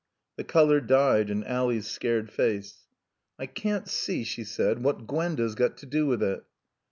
The color died in Ally's scared face. "I can't see," she said, "what Gwenda's got to do with it."